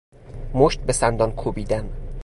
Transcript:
مشت به سندان کوبیدن